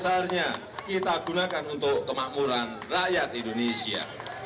sebesar besarnya kita gunakan untuk kemakmuran rakyat indonesia